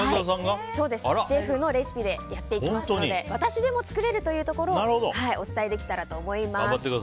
シェフのレシピでやっていきますので私でも作れるというところを頑張ってください。